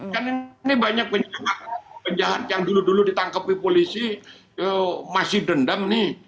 kan ini banyak penjahat yang dulu dulu ditangkapi polisi masih dendam nih